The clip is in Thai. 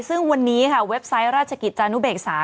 ซึ่งวันนี้ค่ะเว็บไซต์ราชกิจจานุเบกษา